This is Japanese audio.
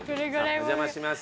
お邪魔します。